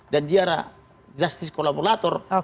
dan dia adalah justice collaborator